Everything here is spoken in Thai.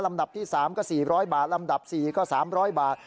ดับที่๓ก็๔๐๐บาทลำดับ๔ก็๓๐๐บาท